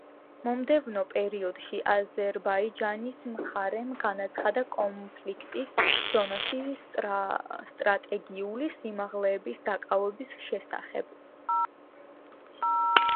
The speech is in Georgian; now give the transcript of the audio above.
მომდევნო პერიოდში აზერბაიჯანის მხარემ განაცხადა კონფლიქტის ზონაში სტრატეგიული სიმაღლეების დაკავების შესახებ.